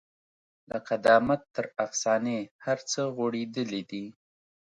له قدامت تر افسانې هر څه غوړېدلي دي.